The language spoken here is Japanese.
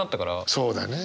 そうだね。